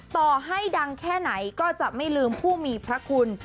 ต่อให้ดังแค่ไหนก็จะไม่ลืมผู้มีพระคุณ